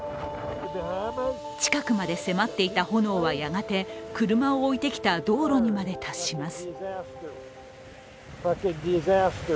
近くまで迫っていた炎はやがて車を置いてきた道路にまで達します。